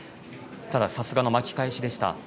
ただ、さすがの巻き返しでした。